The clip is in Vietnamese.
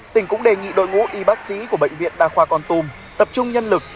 tỉnh cũng đề nghị đội ngũ y bác sĩ của bệnh viện đa khoa con tum tập trung nhân lực